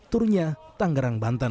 turunnya tangerang banten